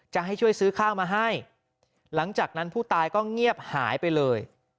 จะให้ช่วยซื้อข้าวมาให้หลังจากนั้นผู้ตายก็เงียบหายไปเลย